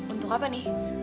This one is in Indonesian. untuk apa nih